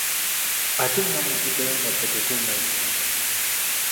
Ate nga muvuddeyo nga ffe tetunajja?